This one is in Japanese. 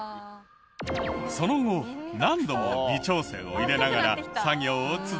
その後何度も微調整を入れながら作業を続け。